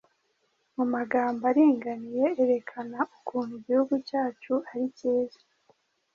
Mu magambo aringaniye erekana ukuntu Igihugu cyacu aricyiza